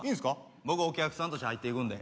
僕お客さんとして入っていくんで。